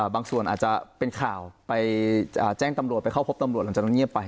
ส่วนอาจจะเป็นข่าวไปแจ้งตำรวจไปเข้าพบตำรวจหลังจากนั้นเงียบไป